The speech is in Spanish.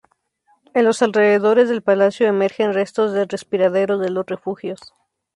En los alrededores del palacio emergen restos de respiraderos de los refugios.